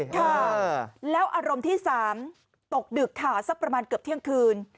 ค่ะแล้วอารมณ์ที่๓ตกดึกค่ะสักประมาณเกือบเที่ยงคืน